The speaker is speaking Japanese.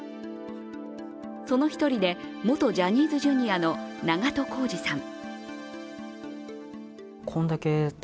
その１人で、元ジャニーズＪｒ．の長渡康二さん。